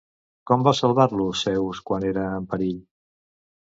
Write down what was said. Com va salvar-lo Zeus quan era en perill?